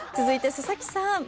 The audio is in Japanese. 続いて佐々木さん。